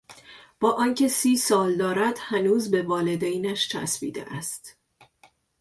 با آنکه سی سال دارد هنوز به والدینش چسبیده است.